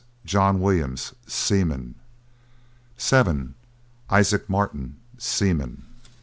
JOHN WILLIAMS, Seaman. 7. ISAAC MARTIN, Seaman.